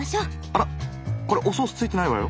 あらこれおソースついてないわよ。